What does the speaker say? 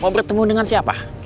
mau bertemu dengan siapa